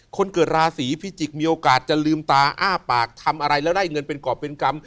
คนเกิดราศีพิจิกษ์มีโอกาสจะลืมตาอ้าปากทำอะไรแล้วได้เงินเป็นกรอบเป็นกรรม